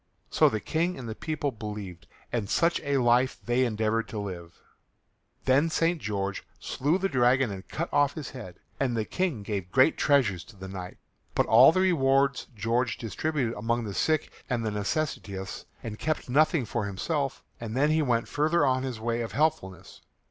So the King and the people believed and such a life they endeavoured to live. Then St. George slew the dragon and cut off his head, and the King gave great treasure to the knight. But all the rewards George distributed among the sick and necessitous and kept nothing for himself, and then he went further on his way of helpfulness.